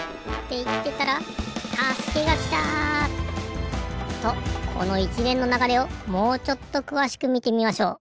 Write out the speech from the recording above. いってたらたすけがきた！とこのいちれんのながれをもうちょっとくわしくみてみましょう。